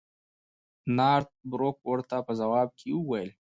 نارت بروک ورته په ځواب کې وویل.